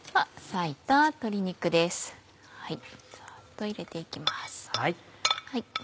ザっと入れて行きます。